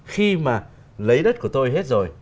khi mà lấy đất của tôi hết rồi